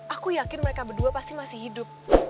aku yakin mereka berdua pasti masih hidup